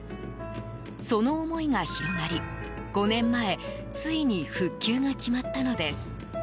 その思いが広がり、５年前ついに復旧が決まったのです。